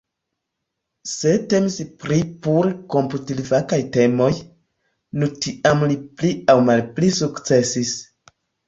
Se temis pri pure komputilfakaj temoj, nu tiam li pli aŭ malpli sukcesis.